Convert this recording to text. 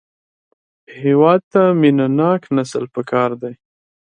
هېواد ته مینهناک نسل پکار دی